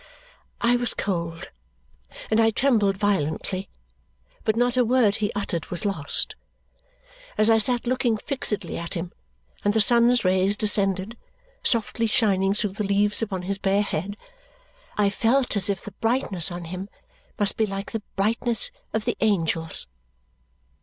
I was cold, and I trembled violently, but not a word he uttered was lost. As I sat looking fixedly at him and the sun's rays descended, softly shining through the leaves upon his bare head, I felt as if the brightness on him must be like the brightness of the angels.